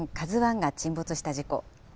ＫＡＺＵＩが沈没した事故。